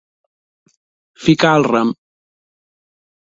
Ficar el rem.